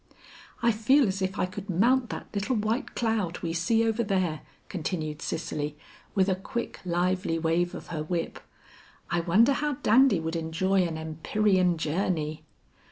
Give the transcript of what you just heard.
"I feel as if I could mount that little white cloud we see over there," continued Cicely with a quick lively wave of her whip. "I wonder how Dandy would enjoy an empyrean journey?"